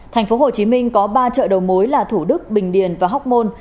tp hcm có ba chợ đầu mối là thủ đức bình điền và hóc môn